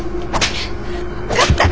分かったか？